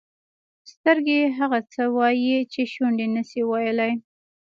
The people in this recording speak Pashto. سترګې هغه څه وایي چې شونډې نه شي ویلای.